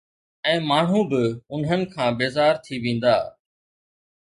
۽ ماڻهو به انهن کان بيزار ٿي ويندا.